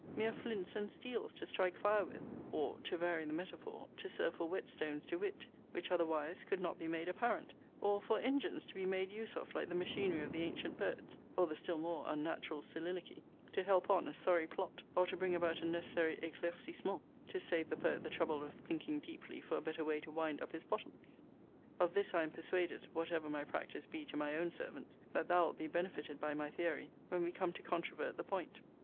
Mere flints and steels to strike fire with or, to vary the metaphor, to serve for whetstones to wit, which, otherwise, could not be made apparent; or, for engines to be made use of like the machinery of the antient poets, (or the still more unnatural soliloquy,) to help on a sorry plot, or to bring about a necessary eclaircissement, to save the poet the trouble of thinking deeply for a better way to wind up his bottoms. Of this I am persuaded, (whatever my practice be to my own servants,) that thou wilt be benefited by my theory, when we come to controvert the point.